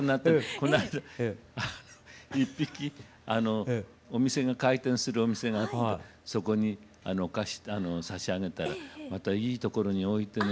この間１匹お店が開店するお店があってそこに差し上げたらまたいい所に置いてね